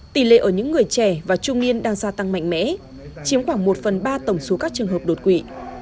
tỷ lệ ở những người trẻ và trung niên đang gia tăng mạnh mẽ chiếm khoảng một phần ba tổng số các trường hợp đột quỵ